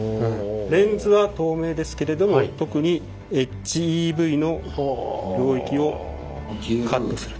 レンズは透明ですけれども特にＨＥＶの領域をカットすると。